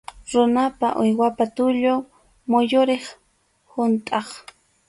Runapa, uywapa tullun muyuriq huntʼaq.